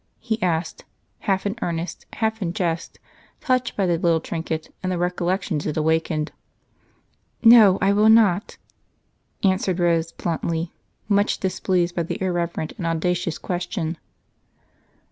he asked, half in earnest, half in jest, touched by the little trinket and the recollections it awakened. "No, I will not," answered Rose bluntly, much displeased by the irreverent and audacious question.